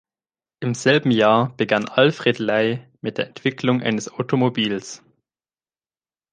Im selben Jahr begann Alfred Ley mit der Entwicklung eines Automobils.